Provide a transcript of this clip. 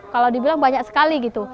kalau dibilang banyak sekali gitu